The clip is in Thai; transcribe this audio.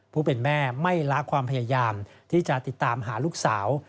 ผู้เป็นแม่ไม่ละความพยายามที่จะติดตามหาลูกสาว